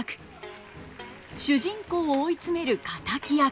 主人公を追い詰める敵役。